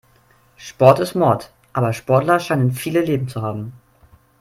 Sport ist Mord, aber Sportler scheinen viele Leben zu haben.